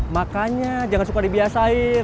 makanya jangan suka dibiasain